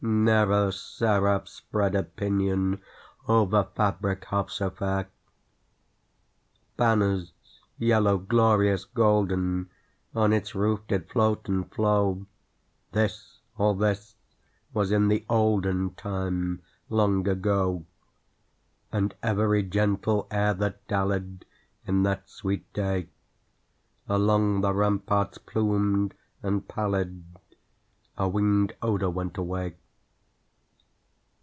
Never seraph spread a pinion Over fabric half so fair! Banners yellow, glorious, golden, On its roof did float and flow, (This all this was in the olden Time long ago), And every gentle air that dallied, In that sweet day, Along the ramparts plumed and pallid, A winged odor went away.